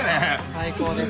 最高です。